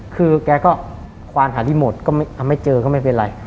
คือแกก็ควานหารีโมทก็ไม่เจอก็ไม่เป็นไร